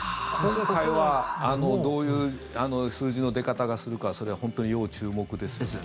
今回はどういう数字の出方がするかそれは本当に要注目です。